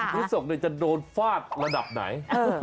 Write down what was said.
พฤกษกเนี่ยจะโดนฟาดระดับไหน